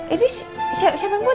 ini siapa yang buat